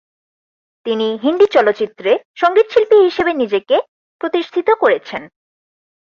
তিনি হিন্দি চলচ্চিত্রে সঙ্গীতশিল্পী হিসেবে নিজেকে প্রতিষ্ঠিত করেছেন।